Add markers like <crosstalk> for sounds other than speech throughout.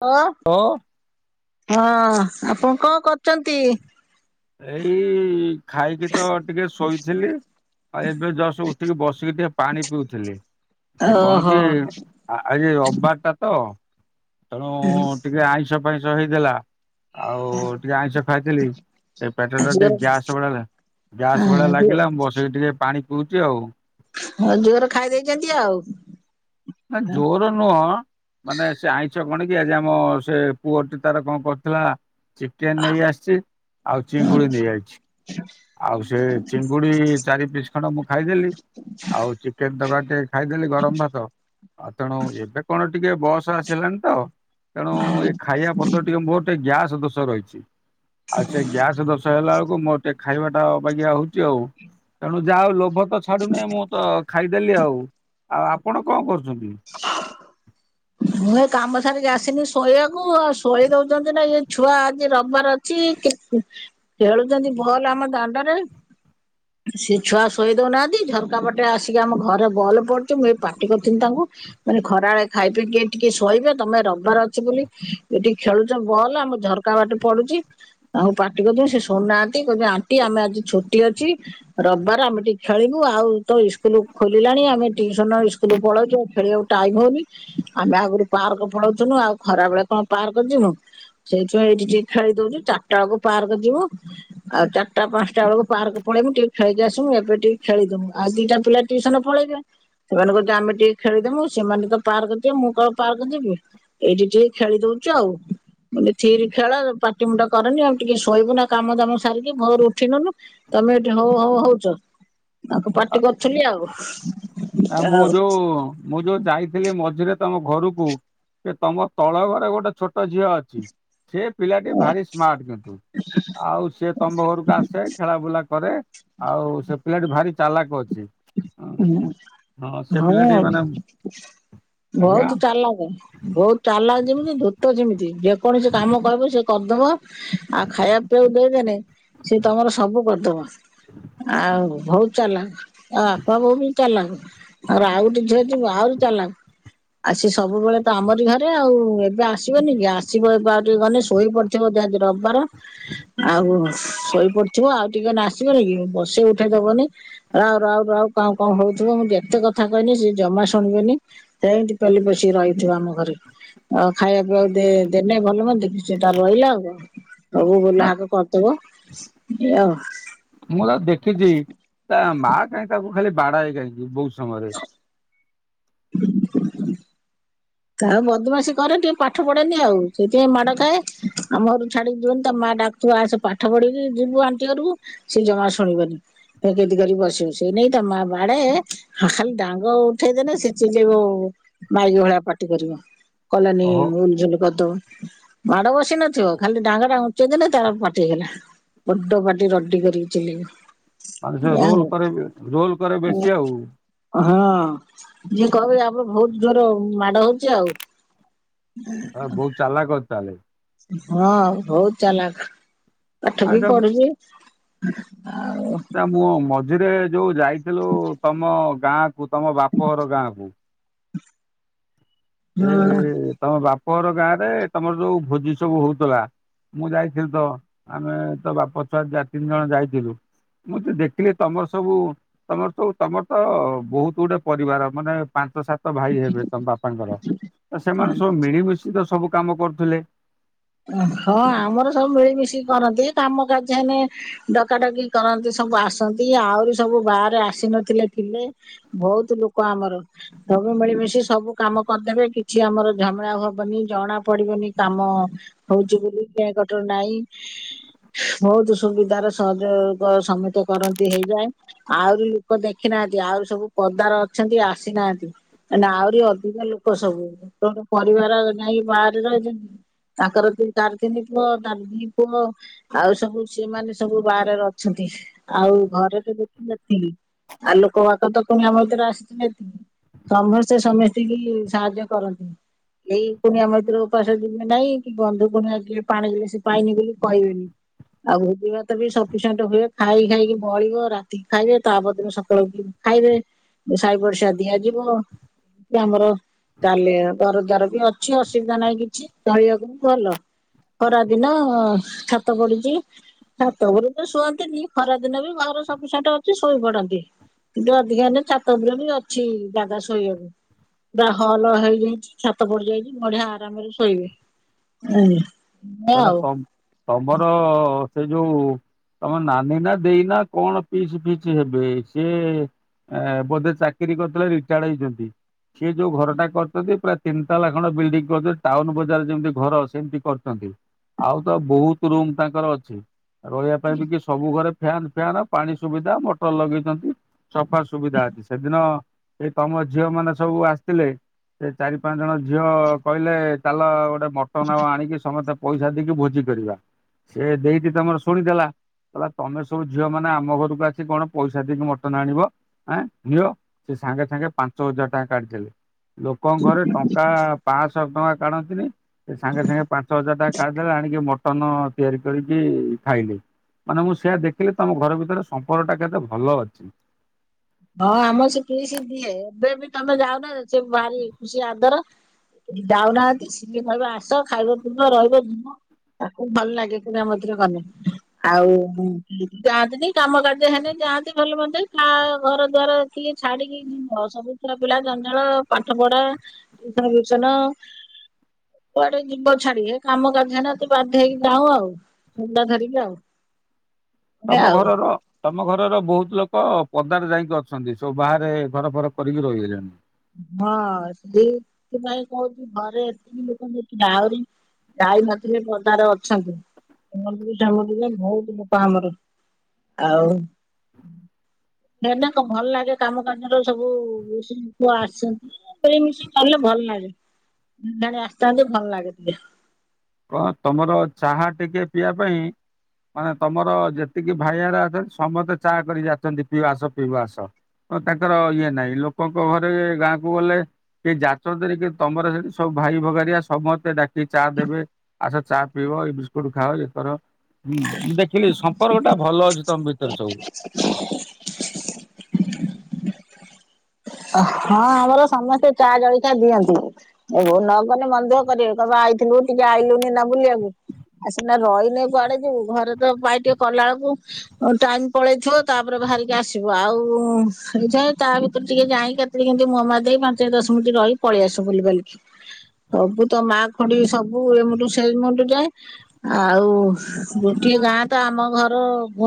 ଓ ଓ ହଁ ଆପଣ କଣ କରୁଚନ୍ତି? ଏଇ ଖାଇକି ତ ଟିକେ ଶୋଇଥିଲି। ଆଉ ଏବେ ଯଷ୍ଟ ଉଠିକି ବସିକି ଟିକେ ପାଣି ପିଉଥିଲି। ଏ କଣ ଓହୋ କି ଆଜି ରବିବାର ଟା ତ। ତେଣୁ ଟିକେ ଆଇଁଷ ଫାଇଁଷ ହେଇଥିଲା। ଆଉ ଟିକେ ଆଇଁଷ ଖାଇଥିଲି, ଏ ପେଟ ଟା ଜୋର ଟିକେ ଗ୍ୟାସ ଭଳିଆ ହେଲାଇ। ଗ୍ୟାସ୍ ଭଳିଆ ଲାଗିଲା ମୁଁ ବସେଇକି ଟିକେ ପାଣି ପିଉଛି ଆଉ। ହଁ ଜୋରେ ଖାଇ ଦେଇଛନ୍ତି ଆଉ। ନା ଜୋର ନୁହଁ, ମାନେ ସେ ଆଇଁଷ କଣ କିି ଆଜି ଆମ ସେ ପୁଅଟି ତାର କଣ କରିଥିଲା ଚିକେନ ନେଇ ଆସିଛି ଆଉ ଚିଙ୍ଗୁଡି ନେଇଆଇଛି। ହ ଆଉ ସେ ଚିଙ୍ଗୁଡି ଚାରି ପିସ୍ ଖଣ୍ଡ ମୁଁ ଖାଇଦେଲି। ଆଉ ଚିକେନ ତରକାରି ଟିକେ ଖାଇଦେଲି ଗରମ ଭାତ। ଆଉ ତେଣୁ ଏବେ କଣ ଟିକେ ବସ୍ ଆସିଗଲାନି ତ। ତେଣୁ ଏ ଖାଇବା ପତ୍ର ଟିକେ ମୋର ଟିକେ ଗ୍ୟାସ ଦୋଷ ରହିଛି। ଆଉ ସେ ଗ୍ୟାସ ଦୋଷ ହେଲା ବେଳକୁ ମୋର ଟିକେ ଖାଇବା ଟା ଅବାଗ୍ୟା ହଉଛି। ଆଉ ତେଣୁ ଯାହା ହଉ ଲୋଭ ତ ଛାଡୁନି ମୁଁ ତ ଖାଇଦେଲି ଆଉ ଆଉ ଆପଣ କଣ କରୁଛନ୍ତି? ମୁଁ ଏ କାମ ସାରିକି ଆସିନି ଶୋଇବାକୁ ଆଉ ଶୋଇ ଦଉଛନ୍ତି ନା ଏ ଛୁଆ ଆଜି ରବିବାର ଅଛି। ଖେଳୁଛନ୍ତି ଭଲ ଆମ ଦାଣ୍ଡରେ। <inaudible> ସେ ଛୁଆ ଶୋଇ ଦଉନାହାନ୍ତି ଝରକା ପଟେ ଆସିକି ଆମ ଘରେ ବଲ ପଡୁଛି ମୁଁ ଏଇ ପାଟି କରିଥିଲି ତାଙ୍କୁ। ମାନେ ଖରାବେେଳେ ଖାଇ ପିକି କିଏ ଟିକେ ଶୋଇବେ ତମେ ରବିବାର ଅଛି ବୋଲି ଏଇଠି ଖେଳୁଛ ବଲ୍ ଆମ ଝର କା ବାଟେ ପଡୁଛି ତାଙ୍କୁ ପାଟି କରୁଥିନି ସେ ଶୁଣୁନାହାନ୍ତି କହୁଛନ୍ତି ଆଣ୍ଟି ଆମେ ଆଜି ଛୁଟି ଅଛି। ରବିବାର ଆମେ ଟିକେ ଖେଳିବୁ ଆଉ ତ ସ୍କୁଲ ଖୋଲିଲାଣି ଆମେ ଟଟିୁସନ ସ୍କୁଲ ପଳଉଛୁ। ଖେଳିବାକୁ ଟାଇମ ହଉନି ଆମେ ଆଗରୁ ପାର୍କ ପଳାଉଥିନୁ ଆଉ ଖରା ବେଳେ କଣ ପାର୍କ ଯିବୁ? ସେଇଥି ପାଇଁ ଏଇଠି ଟିକେ ଖେଳି ଦଉଛୁ ଚାରିଟା ବେଳକୁ ପାର୍କ ଯିବୁ। ଆଉ ଚାରିଟା ପାଞ୍ଚଟା ବେଳକୁ ପାର୍କ ପଳେଇବୁ ଟିକେ ଖେଳିକି ଆସିବୁ। ଏବେ ଟିକେ ଖେଳିଦବୁ ଆଉ ଦିଟା ପିଲା ଟିଉସନ ପଳେଇବେ। ସେମାନେ କହୁ ଆମେ ଟିକେ ଖେଳିଦେବୁ ସେମାନେ ତ ପାର୍କ ଯିବେ ମୁଁ କଣ ପାର୍କ ଯିବି? ଏଇଠି ଟିକେ ଖେଳି ଦଉଛୁ ଆଉ। ବେ ଥିରି ଖେଳ ପାଟି ମୁଣ୍ଡ କରନି। ଆଉ ଟିକେ ଶୋଇବୁ ନା କାମ ଦାମ ସାରିକି ଭୋରୁ ଉଠିନୁନୁ। ତମେ ଏଠି ହଉ ହଉ ହଉଛ ତାକୁ ଆ ପାର୍ଟି କରୁଥିଲି ଆଉ ଆ ମୁଁ ଆଉ ଯୋଉ ମୁଁ ଯୋଉ ଯାଇଥିଲି ମଝିରେ ତମ ଘରକୁ ସେ ତମ ତଳ ଘରେ ଗୋଟେ ଛୋଟ ଝିଅ ଅଛି। ସେ ପିଲାଟି ଭାରି ସ୍ମାର୍ଟ କିନ୍ତୁ। ଆଉ ସିଏ ତମ ଘରକୁ ଆସେ ଖେଳା ବୁଲା କରେ। ଆଉ ସେ ପିଲାଟି ଭାରି ଚାଲାକ ଅଛି ହଁ। ସେ ହଁ ପିଲାଟି ମାନେ ଆଜ୍ଞା ବହୁତ ଚାଲାକ ବହୁତ ଚାଲାକ ଯେମିତି ଧୁ ତ ଯେମିତି ଯେକୌଣସି କାମ କହିବ ସେ କରିଦବ ଆଉ ଖାଇବା ପିଇବାକୁ ଦେଇଦେଲେ ସେି ତମର ସବୁ କରିଦବ ଆଉ ବହୁତ ଚାଲାକ ଅ ହବ <inaudible> ବି ଚାଲାକ ଆ ଆଉ ଗୋଟେ ଝିଅ ଯିବ ଆହୁରି ଚାଲାକ। ଆସି ସବୁବେଳେ ତ ଆମରି ଘରେ ଆଉ ଏବେ ଆସିବନି କି ଆସିବ ଏବେ ଆଉ ଟିକେ ଗନେ ଶୋଇ ପଡି ଥିବ ବୋଧେ ଆଜି ରବିବାର ଆଉ ଶୋଇପଡି ଥିବ ଆଉ ଟିକେ ଗନେ ଆସିବନି କି? ବସେଇ ଉଠେଇଦବନି ରାଉ ରାଉ ରାଉ। କାଉଁ କାଉଁ ହଉଥିବ ମୁଁ ଯେତେ କଥା କହିନେ ସେ ଜମା ଶୁଣିବେନି। ସେମିତି ପେଲି ପଶୀ ରହିଥିବ ଆମ ଘରେ ଆଉ ଖାଇବା ପିଇବାକୁ ଦେନେ ଭଲ ମନ୍ଦକି ସେ ତାର ରହିଲା ଆଉ ସବୁ ନା ବୋଲ ହାକ କରିଦବ ଆଉ। ମୁଁ ତ ଦେଖିଛି ତା ମା କାହିଁକି ତାକୁ ଖାଲି ବାଡାଏ କାହିଁକି ବହୁତ ସମୟରେ। <inaudible> <inaudible> ଆଉ ବଦମାସୀ କରେ ଟିକେ ପାଠ ପଢେନି ଆଉ ସେଥିପାଇଁ ମାଡ ଖାଏ ଆମ ଘରରୁ ଛାଡିକି ଯିବନି ତା ମା ଡାକ ତୁ ଆସେ ପାଠ ପଢିକି ଯିବୁ ଆଣ୍ଟି ଘରକୁ ସେ ଜମା ଶୁଣିବନି। ସେଇ ଜିଦି କରିକି ବସିବ ସେଇନାଗି ତା ମା ବାଡାଏ ହଁ ଖାଲି ଡାଙ୍ଗ ଉଠେଇଦେଲେ ସେ ଚିଲେଇ ବ ମାଇକି ଭଳିଆ ପାଟି। ପାଟି କରିବ କଲାନି ଓହୋ ଉଲଝୁଲ କରିଦବ। ମାଡ ବସି ନଥିବ ଖାଲି ଡାଳ ଟା ଉଞ୍ଚେଇ ଦେଲେ ତାର ପାଟିହେଲା। ବଡ଼ ପାଟି ରଡି କରିକି ଚିଲେଇବ। ତା ହେଲେ ସେ ଏଇଆ ରୋଲ କରେ ଆଉ ରୋଲ କରେ ବେଶୀ ଆଉ। ହଁ। ଯିଏ କହିବ ୟା ଉପରେ ବହୁତ ଜୋର ମାଡ ହୋଉଚି ଆଉ ଉଁ ଚାଲାଖ ଅଛି ଚାହେଲେ। ହଁ ବୋହୁତ ଚାଲାଖ ପାଠ ବି ଆଚ୍ଛା ପଢ଼ୁଚି। ଆଉ ନା ମୁଁ ମଝିରେ ଯୋଉ ଯାଇଥିଲୁ ତମ ଗାଁ କୁ ତମ ବାପ ଘର ଗାଁ କୁ ଏ ତମ ବାପ ଘର ଗାଁ ରେ ତମର ଯୋଉ ଭୋଜି ସବୁ ହୋଉଥୁଲା ମୁଁ ଯାଇଥିଲି ତ ଆମେ ତ ବାପ ଛୁଆ ଯା ତିନି ଜଣ ଯାଇଥିଲୁ। ମୁଁ ତ ଦେଖିଲି ତମର ସବୁ ତମର ସବୁ ତମର ତ ବୋହୁତ ଗୁଟେ ପରିବାର ମାନେ ପାଞ୍ଚ ସାତ ଭାଇ ହେବେ ତମ ବାପାଙ୍କର ହଁ ସେମାନେ ସବୁ ମିଳିମିଶି ତ ସବୁ କାମ କରୁଥିଲେ। ହଁ ଆମର ସବୁ ମିଳିମିଶିକି କରନ୍ତି କାମ କାର୍ଯ୍ୟ ହେନେ ଡକା ଡକି କରନ୍ତି ସବୁ ଆସନ୍ତି ଆହୁରି ସବୁ ବାହାରେ ଆସି ନଥିଲେ ଥିଲେ ବହୁତ ଲୁକ ଆମର। ସବୁ ମିଳିମିଶି ସବୁ କାମ କରିଦେବେ କିଛି ଆମର ଝା ମେଳା ହବନି ଜଣା ପଡିବନି କାମ ହୋଉଚି ବୋଲି କେଁ କଟର ନାହିଁ। ବୋହୁତ ସୁବିଧାରେ ସହଯୋଗ ସମେତେ କରନ୍ତି ହେଇଯାଏ। ଆହୁରି ଲୁକ ଦେଖି ନାହାଁନ୍ତି ଆହୁରି ସବୁ ପଦାର ଅଛନ୍ତି ଆସିନାହାନ୍ତି। ନା ଆହୁରି ଅଧିକା ଲୁକ ସବୁ <unintelligible> ପରିବାର ନେଇ ବାହାରେ ରହିଚନ୍ତି। ତାଙ୍କର ଦି ତାର ତିନି ପୁଅ ତାର ଦି ପୁଅ ଆଉ ସବୁ ସେମାନେସବୁ ବାହାରେ ଅଛନ୍ତି ଆଉ ଘରେ ମୋଟେ ଏତିକି। ଆ ଲୋକ ବାକ ତ କୁଣିଆ ମୈତ୍ର ଆସିଥିଲେ ଏତିକି। ସମସ୍ତେ ସମେସ୍ତିକି ସାହାଯ୍ୟ କରନ୍ତି। କେହି କୁଣିଆମୈତ୍ର ଉପାସେ ଯିବେ ନାଇଁ। କି ବନ୍ଧୁ କୁଣିଆ କିଏ ପାଣି ଗିଲେସେ ପାଇନି ବୋଲି କହିବେନି। ଆଉ ଭୋଜି ଭାତ ବି ସଫିସେଣ୍ଟେ ହୁଏ ଖାଇ ଖାଇକି ବଳିବ ରାତିକି ଖାଇବେ ତାପରଦିନ ସକାଳୁଉଠିକି ଖାଇବେ ସାଇ ପଡିସା ଦିଆ ଯିବ। ଆମର ଚାଲେ ଘରଦ୍ୱାର ବି ଅଛି ଅସୁବିଧା ନାହିଁ କିଛି ଚଳିବାକୁ। ଭଲ ଖରାଦିନ ଛାତ ପଡିଚି। ଛାତ ଉପରେ ତ ଶୁଅନ୍ତିନି ଖରା ଦିନ ବି ଘର ଶପିଂସେଣ୍ଟ ଅଛି ଶୋଇ ପଡନ୍ତି। କିନ୍ତୁ ଅଧିକା ହେଲେ ଛାତ ଉପରେ ଅଛି ଜାଗା ଶୋଇବାକୁ। ପୁରା ହଲ ହେଇଯାଇଚି ଛାତ ପଡିଯାଇଚି ବଢିଆ ଆରାମରେ ଶୋଇବେ। ଆଜ୍ଞା। ମାନେ ତମ ତମର ସେ ଯୋଉ ତମ ନାନି ନା ଦେଇନା କଣ ପିଇସି ଫିଇସି ହେବେ ସିଏ ଏ ବୋଧେ ଚାକିରି କରିଥିଲେ ରିଟାର୍ଡ ହେଇଚନ୍ତି। ସିଏ ଯୋଉ ଘରଟା କରିଚନ୍ତି ପ୍ରାୟ ତିନି ତାଲା ଖଣ୍ଡେ ଵିଲଣ୍ଡିଙ୍ଗ କରିଚନ୍ତି ଟାଉନ ବଜାର ଯେମିତି ଘର ସେମିତି କରିଚନ୍ତି। ଆଉ ତ ବୋହୁତ ରୁମ ତାଙ୍କର ଅଛି ରହିବା ପାଇଁ ବି କି ସବୁ ଘରେ ଫ୍ୟାନ ଫ୍ୟାନ ପାଣି ସୁବିଧା ମଟର ଲଗେଇଚନ୍ତି ସଫା ସୁବିଧା ଅଛି ସେଦିନ ଏଇ ତମ ଝିଅ ମାନେ ସବୁ ଆସିଥିଲେ। ସେ ଚାରି ପାଆଁ ଜଣ ଝିଅ କହିଲେ ଚାଲ ଗୋଟେ ମଟନ ଆଉ ଆଣିକି ସମସ୍ତେ ପଇସା ଦେଇକି ଭୋଜି କରିବା ସେ ଦେଇକି ତମର ଶୁଣିଦେଲା। କହିଲା ତମେ ସବୁ ଝିଅ ମାନେ ଆମ ଘରକୁ ଆସି କଣ ପଇସା ଦେଇକି ମଟନ ଆଣିବ। ଆ ଘିଅ ସେ ସାଙ୍ଗେ ସାଙ୍ଗେ ପାଞ୍ଚ ହଜାର ଟଙ୍କା କାଢ଼ିଥିଲେ। ଲୋକଙ୍କ ଘରେ ଟଙ୍କା ପାଞ୍ଚଶହ ଟଙ୍କା କାଢନ୍ତିନି ସେ ସାଙ୍ଗେ ସାଙ୍ଗେ ପାଞ୍ଚ ହଜାର ଟଙ୍କା କାଢି ଦେଲା ଆଣିକି ମଟନ ତିଆରି କରିକି ଖାଇଲେ। ମାନେ ମୁଁ ସେଆ ଦେଖିଲି ତମ ଘର ଭିତରେ ସମ୍ପର୍କ ଟା କେତେ ଭଲ ଅଛି। ହଁ ଆମର ସେଠି ସେ ଦେଇ ଏବେ ବି ତମେ ଯାଉନ ସେ ଭାରି ଖୁସି ଆଦର। ଯାଉନାହାନ୍ତି ସିଏ କହିବ ଆସ ଖାଇବ ପିଇବ ରହିବ ଯିବ। ତାକୁ ଭଲ ଲାଗେ କୁଣିଆ ମୈତର ଗଲେ। ଆଉ ଯାଆନ୍ତିନି କାମ କାର୍ଯ୍ୟ ହେନି ଯାଆନ୍ତି ଭଲ ମନ୍ଦେ ଘର ଦୁଆର କିଏ ଛାଡିକି ଯିବ ସବୁ ଛୁଆ ପିଲା ଜଞ୍ଜାଳ ପାଠ ପଢା ଟିଉସନ <unintelligible> କୁଆଡେ ଯିବ ଛାଡି ଏ କାମ କାଯ୍ୟ ହେନେ ଏତେ ବାଧ୍ୟ ହେଇକି ଯାଉ ଆଉ। ମୁଣ୍ଡା ଧରିକି ଆଉ। ଏଇଆ ତମ ଆଉ। ଘରର। ତମ ଘରର ବହୁତ ଲୋକ ପଦାରେ ଯାଇକି ଅଛନ୍ତି ସବୁ ବାହାରେ ଘର ଫର କରିକି ରହିଗଲେଣି। ହଁ ସେଇଥି ପାଇଁ କହୁଛି ଘରେ ଏତିକି ଲୋକଙ୍କୁ ଆହୁରି ଯାଇନଥିଲେ ପଦାରେ ଅଛନ୍ତି ଯେ ବହୁତ ପୋପା ଆମର ଆଉ। ହେନା କଣ ଭଲ ଲାଗେ କାମ କାର୍ଯ୍ୟର ସବୁ ପୁଅ ଆସିଛନ୍ତି। ମିଳିମିଶି କଲେ ଭଲ ଲାଗେ ସଂଧ୍ୟା ବେଳେ ଆସିଥାନ୍ତେ ଭଲ ଲାଗେ ଟିକେ। କଣ ତମର ଚାହା ଟିକେ ପିଇବା ପାଇଁ ମାନେ ତମର ଯେତିକି ଭାଇରା ଅଛନ୍ତି ସମସ୍ତେ ଚା କରି ଯାଚନ୍ତି ପିଇବ ଆସ ପିଇବ ଆସ। ଓ ତାଙ୍କର ଇଏ ନାହିଁ ଲୋକଙ୍କ ଘରେ ଗାଁ କୁ ଗଲେ କି ଯାଚନ୍ତିନି କି ତମର ସେଠି ସବୁ ଭାଇ ଭଗାରିଆ ସମସ୍ତେ ଡାକିକି ଚା ଦେବେ। ଆଛ ଚା ପିଇବ ଏଇ ବିସ୍କୁଟ ଖାଅ ଇଏକର। ହୁଁ ମୁଁ ଦେଖିଲି ସମ୍ପର୍କ ଟା ଭଲ ଅଛି ତମ ଭିତରେ ସବୁ। <inaudible> ହଁ ଆମର ସମସ୍ତେ ଚା ଜଳଖିଆ ଦିଅନ୍ତି। ଏହୋ ନଗଲେ ମନ ଦୁଃଖ କରିବେ କଇବେ ଆଇଥିଲୁ ଟିକେ ଆଇଲୁନି ନା ବୁଲିବାକୁ। ଆ ସିନା ରହିଲେ କୁଆଡେ ଯିବୁ ଘରେ ତ ପାଇଟି ଟିକେ କଲା ବେଳକୁ ଓ ଟାଇମ ପଳେଇଥିବ ତାପରେ ବାହାରିକି ଆସିବ ଆଉ ସେଇଯାଇ ତା ଭିତରେ ଟିକେ ଯାଇ କେତେଳେ କେମିତି ମୁହଁ ମାରି ଦେଇ ପାଞ୍ଚ ଦଶ ମିନିଟ ରହି ପଳେଇ ଆସୁ ବୁଲି ବାଲିକି। ସବୁ ତ ମା ଖୁଡି ସବୁ ଏ ମୁଣ୍ଡୁ ସେ ମୁଣ୍ଡୁ ଯାଏ। ଆଉ ଗୋଟିଏ ଗାଁ ତ ଆମ ଘର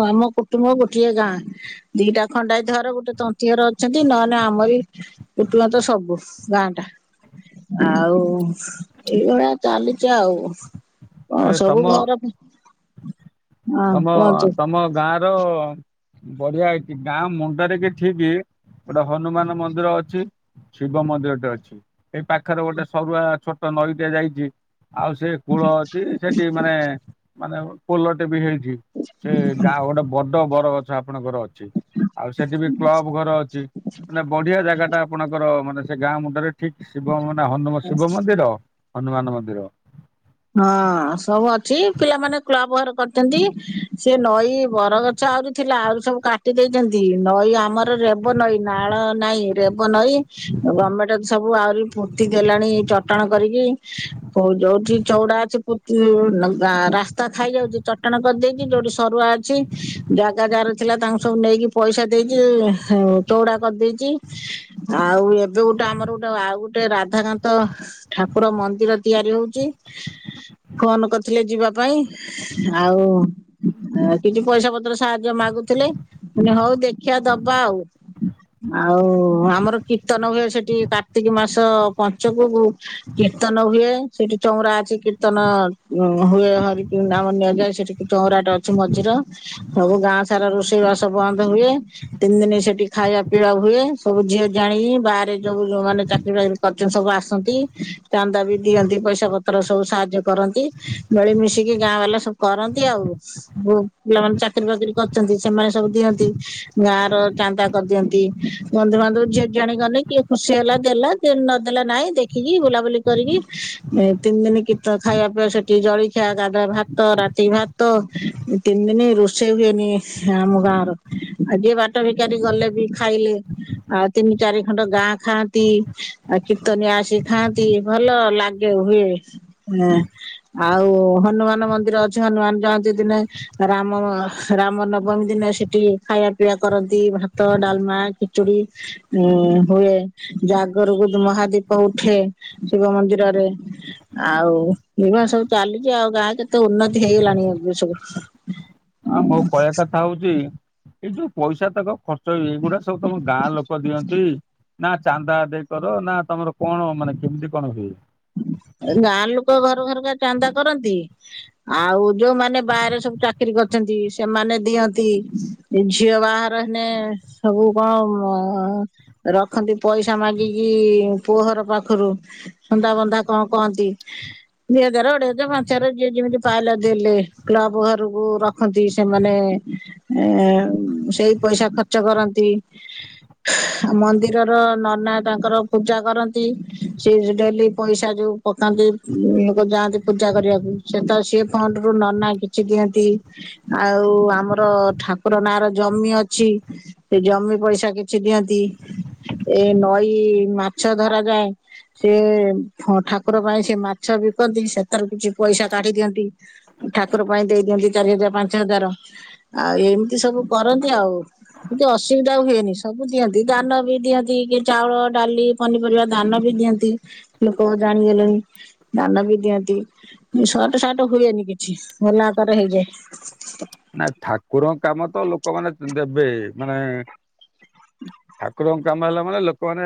ଆମ କୁଟୁମ୍ବ ଗୋଟିଏ ଗାଁ। ଦିଟା ଖଣ୍ଡାଇତ ଘର ଗୋଟେ ତନ୍ତି ଘର ଅଛନ୍ତି ନହଲେ ନା ଆମରି କଟୁମ୍ୱ ତ ସବୁ ଗାଁ ଟା। ଆଉ ଏଇଭଳିଆ ଚାଲିଛି ଆଉ। ହଁ ଏ ସବୁ ତମ ଘର ହଁ ତମ କୁହନ୍ତୁ। ତମ ଗାଁ ର ବଢିଆ ଏଇଠି ଗାଁ ମୁଣ୍ଡରେ କି ଠିକ ଗୋଟେ ହନୁମାନ ମନ୍ଦିର ଅଛି। ଶିବ ମନ୍ଦିରଟେ ଅଛି ଏଇ ପାଖରେ ଗୋଟେ ସରୁଆ ଛୋଟ ନଈଟେ ଯାଇଛି। ଆଉ ସେ କୂଳ ଅଛି ସେଠି ମାନେ ମାନେ ପୋଲଟେ ବି ହେଇଛି। ସେ ଗାଁ ଗୋଟେ ବଡ ବର ଗଛ ଆପଣଙ୍କର ଅଛି। ଆଉ ସେଠି ବି କ୍ଲବ ଘର ଅଛି। ମାନେ ବଢିଆ ଜାଗା ଟା ଆପଣଙ୍କର ମାନେ ସେ ଗାଁ ମୁଣ୍ଡରେ ଠିକ ଶିବ ମାନେ ହନୁ ଶିବ ମନ୍ଦିର, ହନୁମାନ ମନ୍ଦିର। ହଁ, ସବୁ ଅଛି। ପିଲାମାନେ କ୍ଲବ ଘର କରିଛନ୍ତି। ସେ ନଈ ବର ଚଉଁରି ଥିଲା। ଆହୁରି ସବୁ କାଟି ଦେଇଚନ୍ତି। ନଈ ଆମର ରେବ ନଈ ନାଳ ନାଇଁ। ରେବ ନଈ ଗର୍ମେଣ୍ଟ ତ ସବୁ ଆହୁରି ଫୁର୍ତି ହେଲାଣି ଚଟାଣ କରିକି। କୋ ଯୋଉଠି ଚଉଡା ଅଛି ରାସ୍ତା ଖାଇ ଯାଉଛି ଚଟଣ କରିଦେଇଛି <unintelligible> ଯୋଉଠି ସରୁଆ ଅଛି ଜାଗା ଯାର ଥିଲା ତାଙ୍କୁ ସବୁ ନେଇକି ପଇସା ଦେଇଚି। ଚଉଡା କରିଦେଇଚି। ଆଉ ଏବେ ଗୋଟେ ଆମର ଗୋଟେ ଆଉ ଗୋଟେ ରାଧାକାନ୍ତ ଠାକୁର ମନ୍ଦିର ତିଆରି ହଉଚି। ହୁଁ ଫୋନ କରିଥିଲେ ଯିବା ପାଇଁ। ଆଉ ଏ ଟିକେ ପଇସା ପତ୍ର ସାହାଯ୍ୟ ମାଗୁଥିଲେ। ମୁଁ କହିଲି ହଉ ଦେଖିବା ଦବା ଆଉ। ଆଉ ଆମର କୀର୍ତ୍ତନ ହୁଏ ସେଠି କାର୍ତ୍ତିକ ମାସ ପଞ୍ଚୁକକୁ କୀର୍ତ୍ତନ ହୁଏ। ସେଠି ଚଉରା ଅଛି କୀର୍ତ୍ତନ ହୁଏ। ହରିକି ନାମ ନିଆଯାଏ ସେଠିକି ଚଉରାଟେ ଅଛି ମଝିର ସବୁ ଗାଁ ସାରା ରୋଷେଇବାସ ବନ୍ଦ ହୁଏ। ତିନି ଦିନ ସେଠି ଖାଇବା ପିଇବା ହୁଏ। ସବୁ ଝିଅ ଝିଆଣି ବାହାରେ ଯୋଉ ମାନେ ଚାକିରି ବାକିରି କରଚନ୍ତି ସବୁ ଆସନ୍ତି। ଚାନ୍ଦା ବି ଦିଅନ୍ତି ପଇସା ପଇସା ପତ୍ର ସବୁ ସାହାଯ୍ୟ କରନ୍ତି। ମେଳି ମିଶିକି ଗାଁ ବାଲା ସବୁ କରନ୍ତି ଆଉ। ଯଉ ପିଲାମାନେ ଚାକିରିୀ ବାକିରିୀ କରିଛନ୍ତି, ସେମାନେ ସବୁ ଦିଅନ୍ତି। ଗାଁ ର ଚାନ୍ଦା କରିଦିଅନ୍ତି। ବନ୍ଧୁବାନ୍ଧବ ଝିଅ ଝିଆଣି ଗଲେ କିଏ ଖୁସି ହେଲା ଦେଲା। ଯିଏ ନଦେଲା ନାଇଁ ଦେଖିକି ବୁଲାବୁଲି କରିକି ଏ ତିନି ଦିନ କୀର୍ତ୍ତନ ଖାଇବା ପିଇବା ସେଠି। ଜଳଖିଆ, ଗାଧୁଆ ଭାତ, ରାତି ଭାତ, ଏଇ ତିନି ଦିନ ରୋଷେଇ ହୁଏନି ଆମ ଗାଁର। ଆ ଜିଏ ବାଟ ଭିକାରୀ ଗଲେ ବି ଖାଇଲେ। ଆଉ ତିନି ଚାରି ଖଣ୍ଡ ଗାଁ ଖାଆନ୍ତି। ଆ କୀର୍ତ୍ତନ ଆସି ଖାଆନ୍ତି। ଭଲ ଲା ଇଏ ହୁଏ। ଆଉ ହନୁମାନ ମନ୍ଦିର ଅଛି। ହନୁମାନ ଜୟନ୍ତୀ ଦିନ ରାମ ରାମ ନବମୀ ଦିନ ସେଠି ଖାଇବା ପିଇଆ କରନ୍ତ ଭାତ, ଡାଲମା, ଖିଚୁଡି, ଉଁ ହୁଏ। ଜାଗରକୁ ମହାଦୀପ ଉଠେ ଶିବ ମନ୍ଦିରରେ ଆଉ ବିବାହ ସବୁ ଚାଲିଚି। ଆଉ ଗାଁ କେତେ ଉନ୍ନତି ହେଇଗଲାଣି ଏବେ ସବୁ। ଆଁ, ମୋ କହିବା କଥା ହଉଚି, ଏଇ ଯୋଉ ପଇସା ତକ ଖ ଚ, ଏଇଗୁଡା ସବୁ ତମ ଗାଁ ଲୋକ ଦିଅନ୍ତି? ନା ଚାନ୍ଦା ଆଦାୟ କର ନା ତମର କଣ ମାନେ କେମିତି, କଣ ହୁଏ? ଗାଁ ଲୋକ ଘର ଘରକା ଚାନ୍ଦା କରନ୍ତି ଆଉ ଯୋଉମାନେ ବାହାରେ ସବୁ ଚାକିରି କରି ଚନ୍ତି ସେମାନେ ଦିଅନ୍ତି। ଝିଅ ବାହାଘର ହେନେ ସବୁ କମ ରଖନ୍ତି ପଇସା ମାଗିକି ପୁଅ ଘର ପାଖରୁ। ଚନ୍ଦ୍ର ବନ୍ଧା କଣ କହନ୍ତି। ଦୁଇ ହଜାର, ଅଢେଇ ହଜାରେ, ମାଞ୍ଚ ହଜାରେ ଯିଏ ଯେମିତି ପାଇଲା ଦେଲେ। କ୍ଳବ ଘରକୁ ରଖ ରଖନ୍ତି। ସେମାନେ ଏ ସେଇ ପଇସା ଖର୍ଚ୍ଚ କରନ୍ତି। ମନ୍ଦିରର ନନା ତାଙ୍କର ପୂଜା କରନ୍ତି। ସେ ଡେଲି ପଇସା ଯୋଉ ପକାନ୍ତି ରେ ଯାଆନ୍ତି ପୂଜା କରିବାକୁ ସେ ତ ସିଏ ଫଣ୍ଡ ରୁ ନନା ସେ ଦିଅନ୍ତି। ଆଉ ଆମର ଠାକୁର ନାଁ ର ଜମି ଅଛି। ସେ ଜମି ପଇସା କିଛି ଦିଅନ୍ତି। ଏ ନଈ ମାଛ ଧରା ଯାଏ ସେ ଠ-ଠାକୁର ପାଇଁ ସେ ମାଛ ବିକନ୍ତି ସେଥାରୁ କିଛି ପଇସା କାଢି ଦିଅନ୍ତି। ଠାକୁର ପାଇଁ ଦେଇଦିଅନ୍ତି ଚାରି ହଜାର ପାଞ୍ଚ ହଜାର ଆଉ ଏମିତି ସବୁ କରନ୍ତି ଆଉ। କିନ୍ତୁ ଅସୁବିଧା ହୁଏନି। ସବୁ ଦିଅନ୍ତି, ଧାନ ବି ଦିଅନ୍ତି। କିଏ ଚାଉଳ ଡାଲି ପନିପରିବା ଧାନ ବି ଦିଅନ୍ ତି ଲୋକ ଜାଣିଗଲେଣି। ଦାନ ବି ଦିଅନ୍ତି। ଉଁ, ସର୍ଟ ସାର୍ଟ ହୁଏନି କିଛି ଭଲ ଆକାର ହେଇଯାଏ। ନା ଠାକୁରଙ୍କ କାମ ତ ଲୋକମାନେ ଦେବେ। ମାନେ ଠାକୁରଙ୍କ କାମ ହେଲା ମାନେ ଲୋକମାନେ